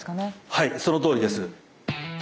はいそのとおりです。